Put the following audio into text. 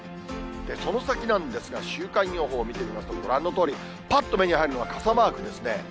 その先なんですが、週間予報を見てみますと、ご覧のとおり、ぱっと目に入るのが傘マークですね。